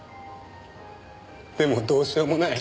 でもどうしようもない。